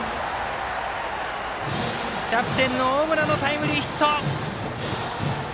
キャプテンの大村のタイムリーヒット。